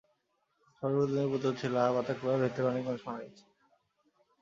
খবরে প্রতিবেদন প্রচারিত হচ্ছে, লা বাতাক্লঁর ভেতরে অনেক মানুষ মারা গেছে।